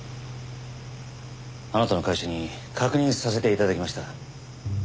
あなたの会社に確認させて頂きました。